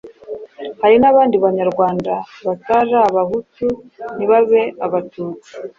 Hari n'abandi Banyarwanda batari Abahutu ntibabe Abatutsi